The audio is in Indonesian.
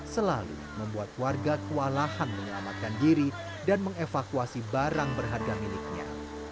selalu membuat warga kewalahan menyelamatkan diri dan mengevakuasi barang berharga miliknya